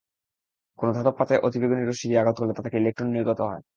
কোনো ধাতব পাতে অতিবেগুনি রশ্মি দিয়ে আঘাত করলে তা থেকে ইলেকট্রন নির্গত হয়।